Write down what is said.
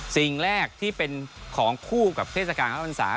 สิ่งแรกที่เป็นของคู่กับเทศกาลเข้าพรรษา